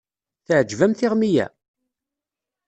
Teɛǧeb-am tiɣmi-ya?